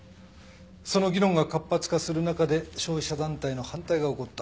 その議論が活発化する中で消費者団体の反対が起こった。